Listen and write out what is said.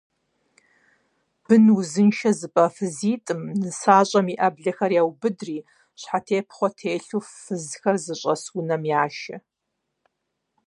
Бын узыншэ зыпӀа фызитӏым нысащӀэм и Ӏэблэхэр яубыдри, щхьэтепхъуэ телъу, фызхэр зыщӀэс унэм яшэ.